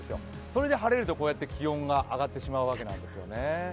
それで晴れるとこうやって気温が上がってしまうんですよね。